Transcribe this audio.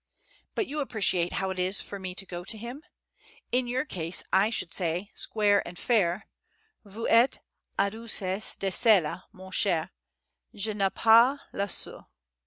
But you appreciate how it is for me to go to him. In your case I should say, square and fair, vous etes audessus de cela, mon cher, je n'ai pas le sou.